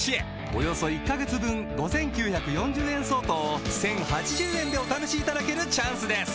およそ１カ月分５，９４０円相当を１，０８０円でお試しいただけるチャンスです